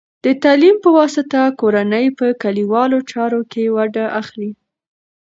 د تعلیم په واسطه، کورنۍ په کلیوالو چارو کې ونډه اخلي.